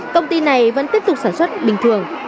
công ty này vẫn tiếp tục sản xuất bình thường